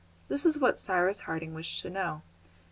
This is what Cyrus Harding wished to know.